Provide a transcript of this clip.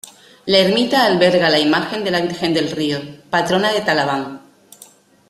La ermita alberga la imagen de la Virgen del Río, patrona de Talaván.